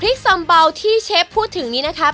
พริกซัมบอลที่เชฟพูดถึงนี้นะคะ